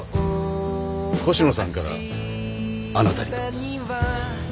越乃さんからあなたにと。